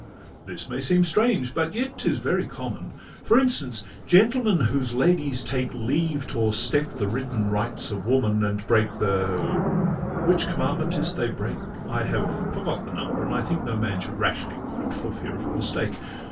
This may seem strange, but yet 'tis very common; For instance—gentlemen, whose ladies take Leave to o'erstep the written rights of woman, And break the—Which commandment is 't they break? (I have forgot the number, and think no man Should rashly quote, for fear of a mistake.)